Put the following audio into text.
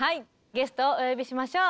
ゲストをお呼びしましょう！